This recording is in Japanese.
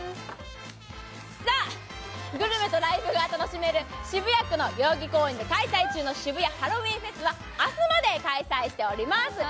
グルメとライブが楽しめる渋谷区の代々木公園で開催中の渋谷ハロウィンフェスは明日まで開催しております。